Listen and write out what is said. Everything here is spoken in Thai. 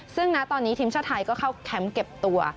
ซึ่งณตอนนี้ทีมชาติไทยก็เข้าแคมป์เก็บตัว